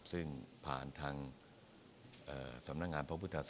ซึ่งผ่านทางสำนักงานพระพุทธศา